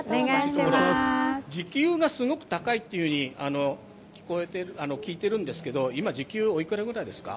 時給がすごく高いと聞いているんですけど今、時給おいくらぐらいですか？